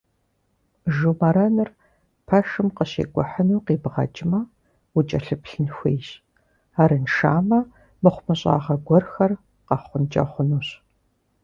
Жумэрэныр пэшым къыщикӏухьыну къибгъэкӏмэ, укӏэлъыплъын хуейщ, арыншамэ, мыхъумыщӏагъэ гуэрхэр къэхъункӏэ хъунущ.